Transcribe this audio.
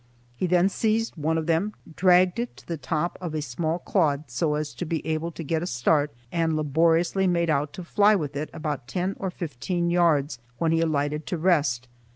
He then seized one of them, dragged it to the top of a small clod so as to be able to get a start, and laboriously made out to fly with it about ten or fifteen yards, when he alighted to rest.